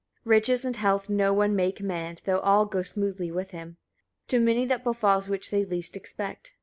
8. Riches and health no one may command, though all go smoothly with him. To many that befalls which they least expect.